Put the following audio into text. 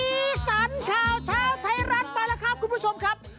สีสันข่าวเช้าไทยรัฐไปแล้วครับคุณผู้ชมครับ